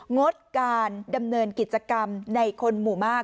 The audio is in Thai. งดการดำเนินกิจกรรมในคนหมู่มาก